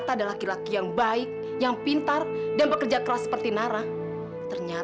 sampai jumpa di video selanjutnya